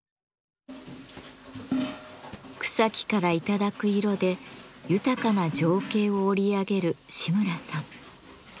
草木からいただく色で豊かな情景を織り上げる志村さん。